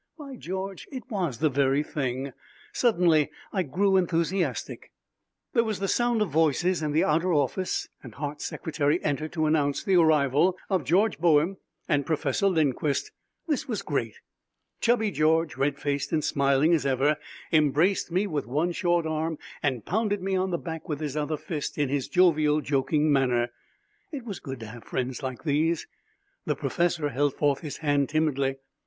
By George, it was the very thing! Suddenly I grew enthusiastic. There was the sound of voices in the outer office, and Hart's secretary entered to announce the arrival of George Boehm and Professor Lindquist. This was great! Chubby George, red faced and smiling as ever, embraced me with one short arm and pounded me on the back with his other fist in his jovial, joking manner. It was good to have friends like these! The professor held forth his hand timidly.